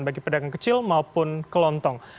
bagi pedagang kecil maupun kelontong